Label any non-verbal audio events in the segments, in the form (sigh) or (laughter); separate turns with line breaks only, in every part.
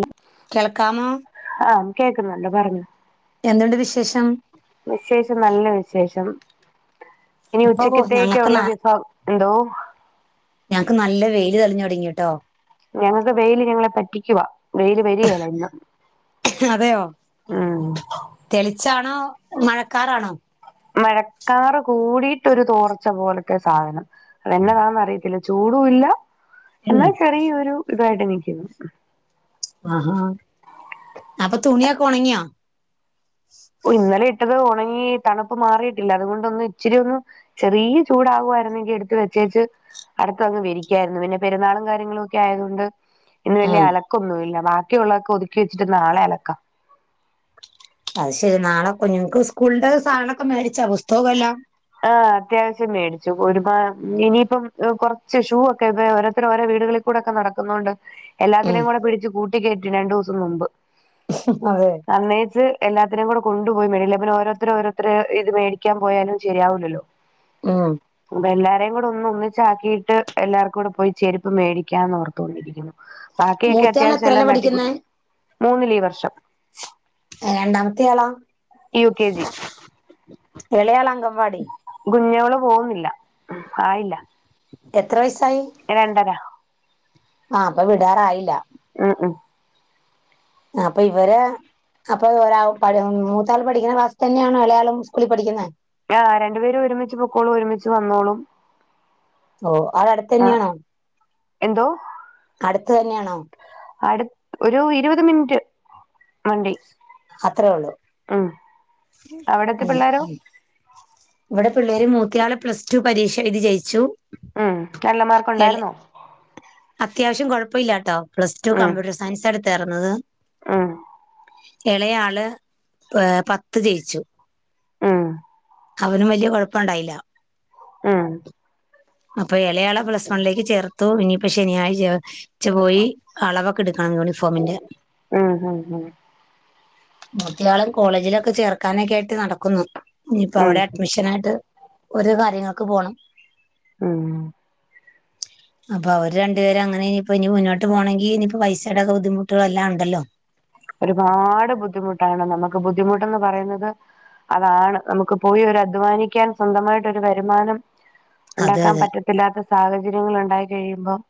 ഉം
കേൾക്കാമോ?
ആഹ് കേക്കുന്നുണ്ട് പറഞ്ഞോ
എന്തുണ്ട് വിശേഷം?
വിശേഷം നല്ല വിശേഷം. ഇനി
ഇപ്പൊ ഞങ്ങക്ക് ന
ഉച്ചക്കത്തേക്കുള്ള വിഭവം എന്തോ?
ഞങ്ങക്ക് നല്ല വെയില് തളിഞ്ഞ് തൊടങ്ങിയിട്ടോ.
ഞങ്ങക്ക് വെയില് ഞങ്ങളെ പറ്റിക്കുവാ. വെയില് വരിയേല ഇന്ന്
അതെയോ
ഉം
തെളിച്ചാണോ മഴക്കാറാണോ?
മഴക്കാറ് കൂടിയിട്ടൊരു തോർച്ച പോലത്തെ സാധനം അതെന്നതാന്ന് അറിയത്തില്ല ചൂടുവില്ല
ഉം
എന്നാ ചെറിയൊരു ഇതായിട്ട് നിക്കുന്നു
ആഹാ അപ്പൊ തുണിയൊക്കെ ഒണങ്ങിയോ?
ഓഹ് ഇന്നലെയിട്ടത് ഒണങ്ങി തണുപ്പ് മാറിയിട്ടില്ല അതുകൊണ്ടൊന്ന് ഇച്ചിരിയൊന്ന് ചെറിയ ചൂടാകുവായിരുന്നെങ്കി എടുത്ത് വെച്ചേച്ച് അടുത്തതങ്ങ് വിരിക്കായിരുന്നു പിന്നെ പെരുന്നാളും കാര്യങ്ങളും ഒക്കെ ആയത് കൊണ്ട് ഇന്ന് വലിയ
ഉം
അലക്കൊന്നുവില്ല ബാക്കിയുള്ളതൊക്കെ ഒതുക്കി വച്ചിട്ട് നാളെ അലക്കാം
അത് ശരിയാ നാളെ കുഞ്ഞുങ്ങക്ക് സ്കൂളിന്റെ സാധനൊക്കെ മേടിച്ചൊ പുസ്തകും എല്ലാം?
ആഹ് അത്യാവിശ്യം മേടിച്ചു ഒരുപാ ഇനിയിപ്പം കൊറച്ച് ഷൂവൊക്കെ ഇപ്പ ദേ ഓരോത്തരും ഓരോ വീടുകളിൽ കൂടൊക്കെ നടക്കുന്നോണ്ട്
ഉം
എല്ലാത്തിനും കൂടെ പിടിച്ച് കൂട്ടികേറ്റി രണ്ടൂസം നുമ്പ്
അതെ
അന്നേച്ച് എല്ലാത്തിനേം കൂടെ കൊണ്ടുപോയി മേളില് പിന്നെ ഓരോത്തര ഓരോരുത്തരു ഇത് മേടിക്കാൻ പോയാലും ശരിയാവുലല്ലോ
ഉം
എല്ലാരേകൂടെ ഒന്ന് ഒന്നിച്ചാക്കീട്ട് എല്ലാർക്കും കൂടെ പോയി ചെരുപ്പ് മേടിക്കാന്ന് ഓർത്തോണ്ടിരിക്കുന്നു ബാക്കിയൊക്കെ
മൂത്തയാൾ
അത്യാവശ്യം
എത്രല്ല
എല്ലാം തട്ടിക്കുടി
പഠിക്കുന്നേ
മൂന്നില് ഈ വർഷം
ഏഹ് രണ്ടാമത്തെയാളോ
യു കെ ജി
ഇളയാള് അങ്കംവാടി
കുഞ്ഞോള് പോവുന്നില്ല ആയില്ല
എത്ര വയസായി
രണ്ടര
ആ അപ്പ വിടാറായില്ല
ആഹ് ആഹ്
ആഹ് അപ്പൊ ഇവരെ അപ്പൊ ഒരാൾ (unintelligible) മൂത്താള് പഠിക്കുന്ന ക്ലാസ്സ്‌തന്നെണോ എളയാളും സ്കൂളിൽ പഠിക്കുന്നെ
ആഹ് രണ്ടു പേരും ഒരുമിച്ച് പൊക്കോളും ഒരുമിച്ച് വന്നോളും
ഓഹ് അവടെ
ആഹ്
അടുത്തന്നെയാണോ
എന്തോ
അടുത്ത് തന്നെയാണോ
അട് ഒരു ഇരുപത് മിൻറ്റ് വണ്ടി
അത്രേള്ളു
ഉം അവിടത്തെ പിള്ളേരോ
ഉം ഇവിടെ പിള്ളേര് മൂത്തിയാള് പ്ലസ് ടു പരീക്ഷഎഴുതി ജയിച്ചു
ഉം നല്ല
എള
മാർക്കുണ്ടായിരുന്നോ
അത്യാവശ്യം കുഴപ്പല്ലാട്ടോ പ്ലസ് ടു കമ്പ്യൂട്ടർ സയൻസ് എടുത്താറുന്നത്
ആഹ്
ഇളയാള് ഏ പത്ത് ജയിച്ചു
ആഹ്
അവനും വല്ല്യ കുഴപ്പണ്ടായില്ല
ആഹ്
അപ്പൊ എളയാളെ പ്ലസ് വൺലേക്ക് ചേർത്തു ഇനിയിപ്പോ ശനിയായിച്ച ച്ചപോയി അളവൊക്കെടുക്കണം യൂണിഫോമിന്റെ
ഉം ഉം
മറ്റെയാളെ കോളേജിലൊക്കെ ചേർക്കാനൊക്കെ ആയിട്ട് നടക്കുന്നു ഇനിയിപ്പ
ഉം ഉം
അവിടെ അഡ്മിഷനായിട്ട് ഓരോ കാര്യങ്ങൾക്ക് പോണം
ആഹ്
അപ്പൊ അവര് രണ്ടുപേരങ്ങന ഇനിയിപ്പ ഇനി മുന്നോട്ട് പോണെങ്കി ഇനിപ്പ പൈസയുടെക്കെ ബുദ്ധിമുട്ടുകള എല്ലാണ്ടല്ലോ
ഒരുപാട് ബുദ്ധിമുട്ടാണ് നമുക്ക് ബുദ്ധിമുട്ടന്ന് പറയുന്നത് അതാണ് നമുക്ക് പോയി ഒരു അധ്വാനിക്കാൻ സ്വന്തമായിട്ടൊരു വരുമാനം
അതെ
ഉണ്ടാക്കാൻ
അതെ
പറ്റത്തില്ലാത്ത സാഹചര്യങ്ങള്ണ്ടായി കഴിയുമ്പോം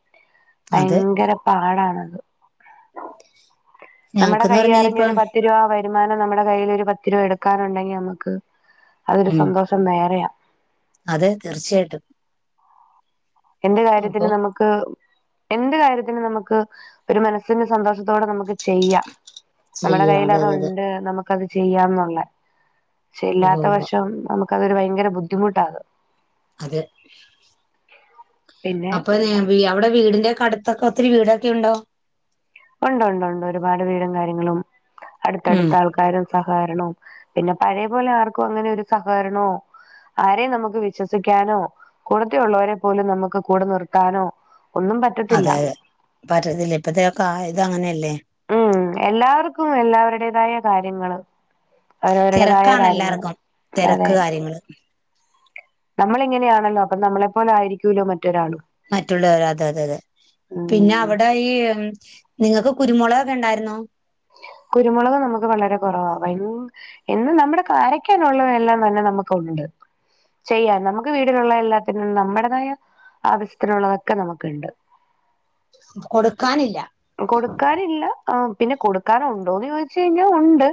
അത്
ഭയങ്കര പാടാണ് നമ്മുടെ
ഞങ്ങൾക്കെന്ന് പറഞ്ഞ ഇനിയിപ്പോ
കൈയ്യറിഞ്ഞൊരു പത്തു രൂപ വരു വരുമാനം നമ്മടെ കയ്ൽ ഒരു പത്ത് രൂപ എട്ക്കാനുണ്ടെങ്കിൽ നമക്ക് അതൊരു
ഉം
സന്തോഷം വേറെയാ
അതെ തീർച്ചയായിട്ടും
എന്ത്‌
അപ്പൊ
കാര്യത്തിനും നമ് ക്ക് എന്ത് കാര്യത്തിനും നമുക്ക് ഒരു മനസ്സിന് സന്തോഷത്തോടെ നമുക്ക് ചെയ്യാം നമ്മടെ
ചെയ്യാം
കയ്യ്ൽ
അതെ അതെ അതെ
അത്ണ്ട് നമുക്ക്ത് ചെയ്യാംന്നുള്ള ക്ഷെ
ഉവ്വ്
ഇല്ലാത്ത
ഉവ്വ്
പക്ഷം നമുക്കതൊരു ഭയങ്കര ബുദ്ധിമുട്ടാകും.
അതെ
പിന്നെ
അപ്പൊ (unintelligible) അവിടെ വീടിന്റെ കടുത്തൊക്കെ ഒത്തിരി വീടൊക്കെ ഉണ്ടോ?
ഉണ്ട് ണ്ട് ണ്ട് ഒരുപാട് വീടും കാര്യങ്ങളും
ഉം
അടുത്തടുത്ത ആൾക്കാരും സഹകരണം പിന്നെ പഴേ പോലെ ആർക്കും അങ്ങനെ ഒരു സഹകരണോ ആരേം നമുക്ക് വിശ്വസിക്കാനോ കൂടത്തി ഉള്ളവരെ പോലും നമുക്ക് കൂടെ നിർത്താനോ ഒന്നും പറ്റ
അതെ അതെ പറ്റത്തില ഇപ്പത്തെ കാ ഇതങ്ങനെയല്ലേ
എല്ലാർക്കും എല്ലാവരുടേതായ കാര്യങ്ങള് അവരവരുടേതായ
തിരക്കാണ്
കാര്യങ്ങള്
എല്ലാർക്കും
അതെ
തിരക്ക് കാര്യങ്ങള്
നമ്മള് ഇങ്ങനെയാണല്ലോ അപ്പൊ നമ്മളെപ്പോലായിരിക്കൂലോ മറ്റൊരാളും
മറ്റുള്ളവർ അതെ അതെ അതെ പിന്നെ
ഉം
അവടെ ഈ നിങ്ങക്ക് കുരുമുളകൊക്കെ ഉണ്ടായിരുന്നോ
കുരുമുളക് നമുക്ക് വളരെ കുറവാ ഭയ് എന്ന് നമ്മുടെ കാരയ്ക്കാനുള്ളതല്ലാം തന്നെ നമുക്കുണ്ട് ചെയ്യാം നമക്ക് വീടിലുള്ള എല്ലാത്തിനും നമ്മുടേതായ ആവശ്യത്തിനുള്ളതൊക്കെ നമ്ക്ക്ണ്ട്
കൊടുക്കാനില്ല
കൊടുക്കാനില്ല ആ പിന്നെ കൊടുക്കാനുണ്ടോന്ന് ചോയ്ച്ചഴിഞ്ഞാൽ ഉണ്ട്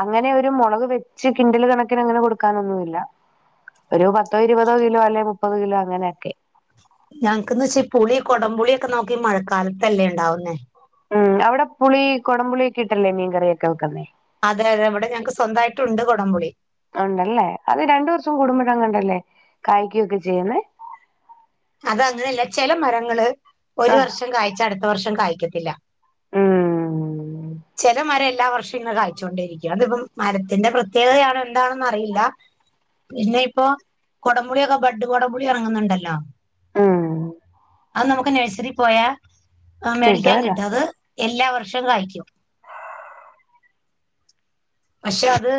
അങ്ങനെ ഒരു മുളക് വെച്ച് കിണ്ടൽ കണക്കിന് അങ്ങനെ കൊടുക്കാനൊന്നുല്ല ഒരു പത്തോ ഇരുപതോ കിലോ അല്ലെ മുപ്പത് കിലോ അങ്ങനെയൊക്കെ
ഞങ്ങക്ക്ന്ന്ച്ച ഈ പുളി കൊടം പുളിയൊക്കെ നോക്കി മഴക്കാലത്തല്ലേ ഉണ്ടാവുന്നേ
ഉം അവിടെ പുളി കൊടംപുളിയൊക്കെ ഇട്ടല്ലേ മീൻ കറിയൊക്കെ വെക്കന്നെ
അതെ അതെ ഇവടെ ഞങ്ങക്ക് സ്വന്തായിട്ടുണ്ട് കൊടംപുളി
ഉണ്ടല്ലേ അത് രണ്ടു വർഷം കൂടുമ്പഴെങ്ങാണ്ടല്ലേ കായ്ക്കൊക്കെ ചെയ്യുന്നെ
അതങ്ങനല്ല ചെല മരങ്ങള് ഒരു
ആ
വർഷം കായ്ച്ച അടുത്ത വർഷം കായ്ക്കത്തില്ല
ഉം
ചെല മരം എല്ലാ വർഷം ഇങ്ങനെ കായ്ച്ചോണ്ടിരിക്കും അതിപ്പം മരത്തിന്റെ പ്രത്യേകതയാണോ എന്താണെന്ന് അറിയില്ല പിന്നെ ഇപ്പൊ കൊടംപുളിയൊക്കെ ബഡ് കൊടപുളി ഇറങ്ങുന്നുണ്ടല്ലോ
ഉം
അത് നമുക്ക് നേഴ്സറി പോയാ മേടിക്കാൻ
കിട്ടുവല്ലോ
കിട്ടും അത് എല്ലാ വർഷവും കായ്ക്കും പക്ഷെ അത്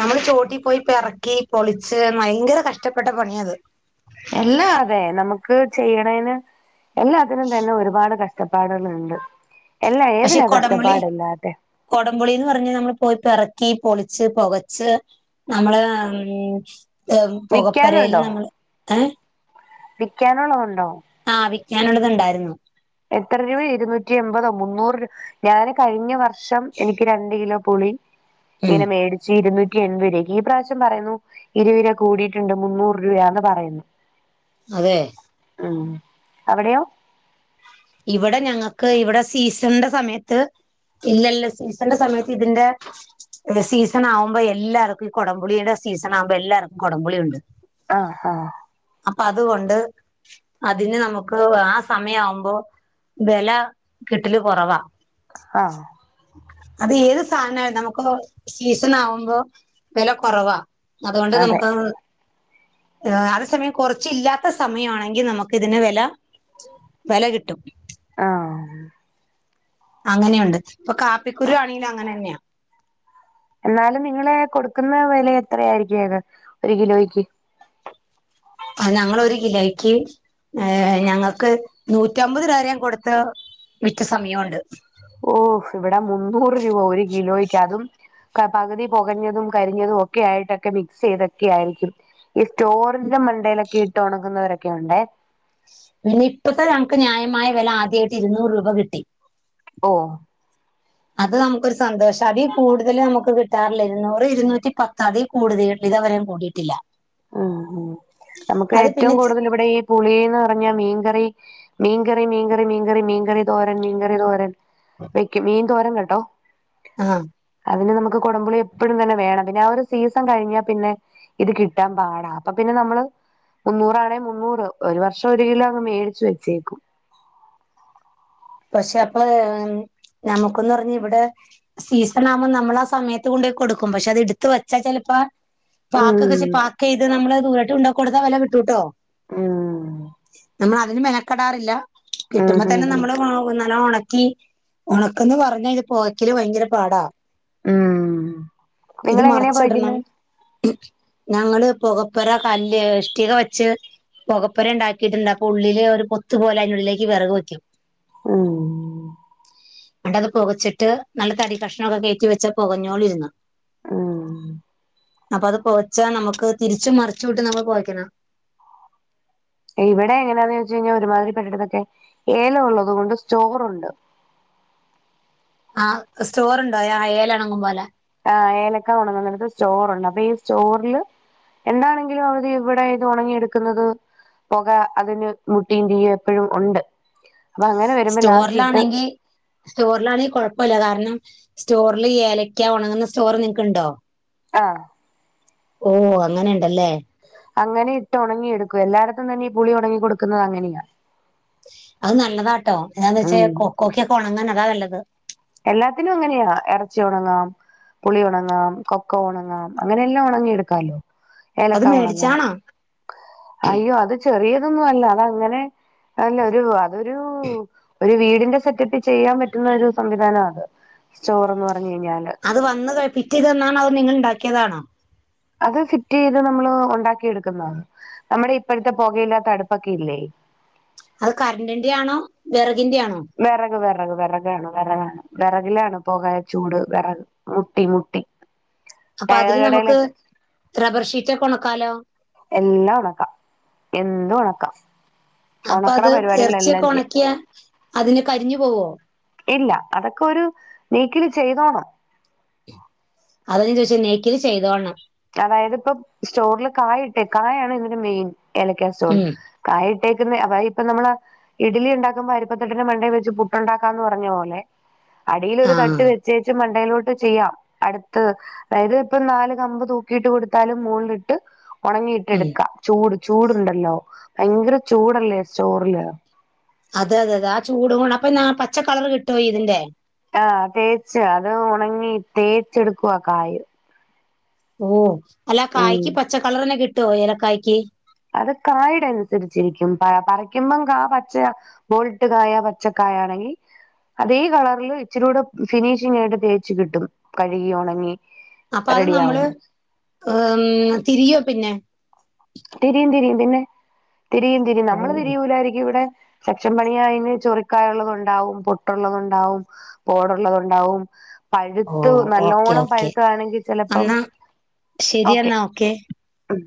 നമ്മള് ചോട്ടിൽ പോയി പിറക്കി പൊളിച്ച് ഭയങ്കര കഷ്ടപ്പെട്ട പണിയാ അത്
എല്ലാ അതെ നമുക്ക് ചെയ്യണേന് എല്ലാത്തിനും തന്നെ ഒരുപാട് കഷ്ടപ്പാടുകളുണ്ട് എല്ലാ ഏതിനാ കഷ്ടപ്പാടില്ലാത്തെ
കുടംപുളി എന്ന് പറഞ്ഞ നമ്മള് പോയി പെറക്കി പൊളിച്ച് പൊകച്ച് നമ്മള് ഉം പൊകപ്പൊരേല്
വിക്കാനുണ്ടോ
നമ്മള് ഏഹ്
വിക്കാനുള്ളത് ഉണ്ടോ
ആഹ് വിൽക്കാനുള്ളത് ഉണ്ടായിരുന്നു
എത്ര രൂപ ഇരുന്നൂറ്റി എൺപതോ മുന്നൂറ് രൂപ ഞാൻ കഴിഞ്ഞ വർഷം വർഷം എനിക്ക് രണ്ട് കിലോ പുളി
ഉം
ഇങ്ങനെ മേടിച്ച് ഇരുന്നൂറ്റി എൺപത് രൂപക്ക് ഈ പ്രാവശ്യം പറയുന്നു ഇരുപത് രൂപ കൂടിയിട്ടുണ്ട് മുന്നൂറ് രൂപയാന്ന് പറയുന്നു
അതെ
ആഹ് അവിടെയോ
ഇവിടെ ഞങ്ങക്ക് ഇവിടെ സീസൺന്റെ സമയത്ത് ഇല്ല ഇല്ല സീസന്റെ സമയത്ത് ഇതിന്റെ സീസൺ ആവ്മ്പോ എല്ലാർക്കും ഈ കുടംപുളിയുടെ സീസൺ ആവ്മ്പോ എല്ലാർക്കും കുടംപുളിയുണ്ട്
ആഹ് ആഹ്
അപ്പൊ അതുകൊണ്ട് അതിന് നമുക്ക് ആ സമയാവുമ്പോ വെല കിട്ടല് കുറവാ
ആഹ്
അത് ഏത് സാധനായാലും നമുക്ക് സീസൺ ആവുമ്പോ വില കുറവാ, അതുകൊണ്ട്
അതെ
നമുക്ക്, അതെ സമയം കുറച്ചില്ലാത്ത സമയമാണെങ്കിൽ നമുക്ക് ഇതിന് വില, വെല കിട്ടും,
ആഹ്,
അങ്ങനെയുണ്ട് ഇപ്പൊ കാപ്പിക്കുരു ആണെങ്കിലും അങ്ങനെ തന്നെയാ,
എന്നാലും നിങ്ങളേ കൊടുക്കുന്ന വില എത്രയായിരിക്കും അത് ഒരു കിലോയ്ക്ക്,
ഞങ്ങളൊരു കിലോയ്ക്ക് ഏ ഞങ്ങൾക്ക് നൂറ്റമ്പത് രൂപരയും കൊടുത്ത വിറ്റ സമയംണ്ട്,
ഓഹ് ഇവിടെ മുന്നൂറ് രൂപ ഒരു കിലോയ്ക്ക് അതും, പകുതി പൊകഞ്ഞതും കരിഞ്ഞതും ഒക്കെ ആയിട്ടൊക്കെ മിക്സ് ചെയ്തൊക്കെ ആയിരിക്കും, ഈ സ്റ്റോറിന്റെ മണ്ടയിലൊക്കെ ഇട്ട് ഉണങ്ങുന്നവരൊക്കെ ഉണ്ടെ,
പിന്നെ ഇപ്പത്തെ ഞങ്ങക്ക് ന്യായമായ വില ആദ്യമായിട്ട് ഇരുന്നൂറ് രൂപ കിട്ടി,
ഓഹ്,
അത് നമുക്കൊരു സന്തോഷം അതീ കൂടുതൽ നമുക്ക് കിട്ടാറില്ല ഇരുന്നൂറ് ഇരുന്നൂറ്റി പത്ത് അതിൽ കൂടുതലട്ട ഇതെവര കൂടിട്ട് ട്ടില്ല,
ആഹ് ആഹ് നമുക്ക് ഏറ്റവും
പിന്നെ
കൂടുതൽ ഇവിടെ ഈ പുളീന്ന് പറഞ്ഞ മീൻകറി മീൻകറി മീൻകറി മീൻകറി മീൻകറി തോരൻ മീൻകറി തോരൻ, വെക്കും മീൻന്തോരം കേട്ടോ,
ആഹ്,
അതിന് നമുക്ക് കുടംമ്പുളി എപ്പഴും തന്നെ വേണം പിന്നെ ആ ഒരു സീസൺ കഴിഞ്ഞാൽ പിന്നെ ഇത് കിട് ട്ടാൻ പാടാ അപ്പൊ പിന്നെ നമ്മള്, മുന്നൂറാണേ മുന്നൂറ് ഒരു വർഷം ഒരു കിലോ അങ്ങ് മേടിച്ചു വച്ചേക്കും,
പക്ഷെ അപ്പൊ നമുക്കൊന്ന് പറഞ്ഞ് ഇവിടെ, സീസൺ ആകുമ്പോൾ നമ്മൾ ആ സമയത്ത് കൊണ്ടോയ് കൊടുക്കും പക്ഷെ അത് എടുത്ത് വെച്ചാ ചിലപ്പോ, പാക്കെ
ഉം
പക്ക് ചെയ്ത് നമ്മള് ദൂരട്ട കൊണ്ട കൊടുത്താ വില കിട്ടൂട്ടോ,
ഉം,
നമ്മൾ അതിന് മെനക്കെടാറില്ല
ഉം
കിട്ടുമ്പോ
ഹും
തന്നെ
ഹും
നമ്മള്, നല്ലൊം ഒണക്കി ഉണക്കുംന്ന്‌ പറഞ്ഞാ ഇത് പുകക്കില് ഭയങ്കര പാടാ,
ഉം
ഇത്
നിങ്ങളെങ്ങനെയാ
മറച്ചിടണം,
പോയിക്കുന്നെ
ഞങ്ങള് പുകപ്പുര കല്ല് ഇഷ്ടിക വെച്ച്, പുകപ്പുര ഉണ്ടാക്കിയിട്ടുണ്ട് അപ്പൊ ഉള്ളില് ഒരു പൊത്ത് പോലെ അതിനുള്ളിലേക്ക് വിറക് വെക്കും,
ഉം
ങ്ങ്ട്ടത് പുകച്ചിട്ട് നല്ല തടി കക്ഷണംക്കെ കയറ്റി വെച്ച് പൊകഞ്ഞോളുരുന്ന്
ഉം
അപ്പൊ അത് പൊകച്ചാ നമുക്ക് തിരിച്ചും മറിച്ചു ഇട്ട് നമ്മള് പോയ്ക്കണം,
ഇവിടെ എങ്ങനെയാന്ന് ചോയ്ച്ച് കഴിഞ്ഞാൽ ഒരുമാതിരി പെട്ടതൊക്കെ ഏല ഉള്ളതുകൊണ്ട് സ്റ്റോറുണ്ട്,
ആഹ് സ്റ്റോറുണ്ടോ ആ ഏലണങ്ങും പോല,
ആഹ് ഏലക്ക ഉണങ്ങ്ന്നേട്ത്തെ സ്റ്റോറുണ്ട് അപ്പൊ ഈ സ്റ്റോറില്, എന്താണെങ്കിലും അത് ഇവിടെ ഇത് ഉണങ്ങിയെടുക്കുന്നത്, പുക അതിന് മുട്ടീ തീയും എപ്പഴും ഉണ്ട് അപ്പൊ അങ്ങനെ വരുമ്പോ ലാസ്റ്റ് ഇട്ട്,
സ്റ്റോറിലാണെങ്കിൽ കുഴപ്പല്ല കാരണം സ്റ്റോറിൽ ഏലക്ക ഉണങ്ങുന്ന സ്റ്റോർ നിങ്ങക്ക്ണ്ടോ,
ആഹ്,
ഓഹ് അങ്ങനെ ഉണ്ടല്ലേ,
അങ്ങനെ ഇട്ട് ഉണങ്ങിയെടുക്കും എല്ലായിടത്തും തന്നെ ഈ പുളി ഉണങ്ങി കൊടുക്കുന്നത് അങ്ങനെയാ,
അത് നല്ലതാട്ടോ എന്താന്ന് വെച്ച
ഉം
കൊക്കോക്ക്യോക്കെ ഉണങ്ങാൻ അതാ നല്ലത്,
എല്ലാത്തിനുങ്ങനെയാ ഇറച്ചി ഒണങ്ങാം പുളിയൊണങ്ങാം കൊക്കൊ ഒണങ്ങാം അങ്ങനെ എല്ലാം ഉണങ്ങി എടുക്കാാലോ
അത്
ഏലക്ക ഒണങ്ങാം.
മേടിച്ചാണോ
അയ്യോ അത് ചെറീയതൊന്നുല്ല അതങ്ങനെ നല്ല ഒരു ഒരൂ ഒരു വീടിന്റെ സെറ്റപ്പി ചെയ്യാൻ പറ്റുന്നൊരു സംവിധാനാത് സ്റ്റോറെന്ന് പറഞ് കയ്ഞ്ഞാല്
അത് വന്ന് പിറ്റയ്തന്നാണോ അത് നിങ്ങൾണ്ടാക്കിയതാണോ?
അത് ഫിറ്റിയ്ത് നമ്മള് ഒണ്ടാക്കിയെടുക്കുന്നതാ നമ്മുടെ ഇപ്പോഴത്തെ പുകയില്ലാത്ത അടുപ്പൊക്കെയില്ലേ?
അത് കരണ്ടിന്റെയാണോ വിറകിന്റെയാണോ?
വെറക് വെറക് വെറകാണ് വെറകാണ് വെറകിലാണ് പൊകായ ചൂട് വെറക് മുട്ടി മുട്ടി
അപ്പ
ടയർ
അതില്
കടയില്
നമുക്ക് റബ്ബർ ഷീറ്റൊക്കെ ഒണക്കാലോ
എല്ലാം ഒണക്കാം എന്തും ഒണക്കാം
അപ്പ അത് എറച്ചിയൊക്കെ
ചെയ്യാം
ഒണക്കിയാ അതിന് കരിഞ്ഞു പോവോ?
ഇല്ല അതൊക്കെ ഒരു നീക്കില് ചെയ്തോണം.
അത ഞാ ചോയ്ചെ നേക്കില് ചെയ്തോൾണം
അതായത് ഇപ്പം സ്റ്റോറില് കായ് ഇട്ടെ കായാണ് ഇതിന്റെ മെയിൻ ഏലക്ക സ്റ്റോർൽ
ഉം
കായിട്ടേക്കുന്ന അതായിപ്പൊ നമ്മള് ഇഡലിയുണ്ടാക്കുമ്പോ അരുപ്പത്തട്ടിന് മണ്ടേൽ വെച്ച് പുട്ടണ്ടാക്കാമ്ന്ന് പറഞ്ഞ പോലെ അടീയിലൊരു
ആഹ്
തട്ട് വെച്ചേച്ചും ഡൈലോട്ട് ചെയ്യാം അടുത്തത് അതയ്ത് പ്പൊ നാല് കമ്പ് തൂ ക്കിയിട്ട് കൊടുത്താല് മോള്ലിട്ട് ഒണങ്ങിയിട്ട്
ഉം
എടുക്കാം. ചൂട് ചൂടുണ്ടല്ലോ ഭയങ്കര ചൂടല്ലേ സ്റ്റോറില്
അതെ അതെതെ ആ ചൂടും ണപ്പൊ ഞാ പച്ചക്കളർ കിട്ടുവോയിതിന്റെ?
ആഹ് തേച്ച് അത് ഒണങ്ങി തേച്ചെടുക്കുവ കായ്
ഓഹ് അല്ല
ഉം
കായ്ക്ക് പച്ചക്കളർന്നെ കിട്ടുവോ ഏലക്കായ്ക്ക്.
അത് കായ്ടൻസരിച്ചിരിക്കും പ പറക്കുമ്പം കാ പച്ച വോൾട്ട് കായ പച്ചക്കായാണെങ്കിൽ അതീ കളറിൽ ഇച്ചിരൂടെ ഫിനിഷിംഗായിട്ട് തേച്ച് കിട്ടും കഴുകി ഒണങ്ങി
അപ്പൊ അത് നമ്മള് അം തിരിയോ പിന്നെ
തിരിയും തിരിയും പിന്നെ തിരിയും തിരിയും
ഓ
നമ്മള് തിരിയൂലായിരിക്കും ഇവിടെ സെക്ഷൻ പണി അയ്ഞ് ചൊറിക്കായ ഉള്ളതുണ്ടാവും പൊട്ടുള്ളതുണ്ടാവും പോടുള്ളതുണ്ടാവും
ഓ
പഴുത്തു
ഓക്കെ
നല്ലോണം
ഓക്കെ
പഴുത്ത താണെങ്കിൽ ചെലപ്പം ഓക്കെ
ആഹ് ഓക്കെ
ഉം